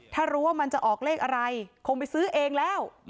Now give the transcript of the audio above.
ถ้ารู้ว่ามันจะออกเลขอะไรคงไปซื้อเองแล้ว